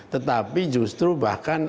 tetapi justru bahkan